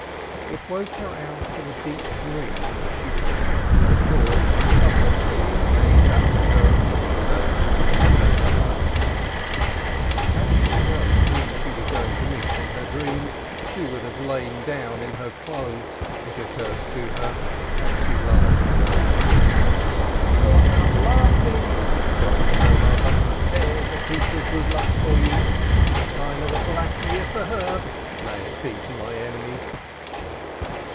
It woke her out of a deep dream which she was ashamed to recall, but the dream came back to her of itself, and made her laugh. Had she known whom she was going to meet in her dreams, she would have lain down in her clothes, occurs to her, and she laughs aloud. "Got up laughing!" scolds her mother. "There's a piece of good luck for you ! It's a sign of a black year for her (may it be to my enemies!)."